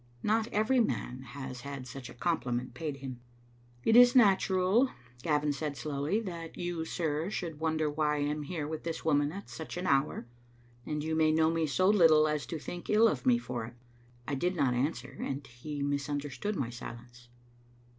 Not every man has had such a compliment paid him. "It is natural," Gavin said, slowly, "that you, sir, should wonder why I am here with this woman at such an hour, and you may know me so little as to think ill of me for it." I did not answer, and he misunderstood my silence.